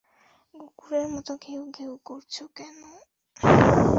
কুকুরের মত ঘেউ ঘেউ করছ কেন?